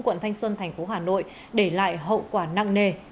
quận thanh xuân thành phố hà nội để lại hậu quả nặng nề